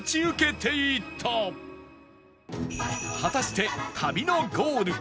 果たして旅のゴール